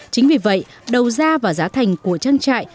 chính vì vậy đầu ra và giá thành của trang trại